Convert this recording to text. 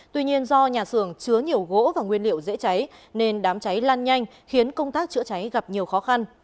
tuy nhiên do nhà xưởng chứa nhiều gỗ và nguyên liệu dễ cháy nên đám cháy lan nhanh khiến công tác chữa cháy gặp nhiều khó khăn